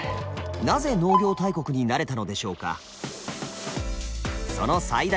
なぜ農業大国になれたのでしょうか。